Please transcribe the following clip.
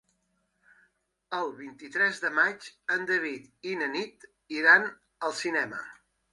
El vint-i-tres de maig en David i na Nit iran al cinema.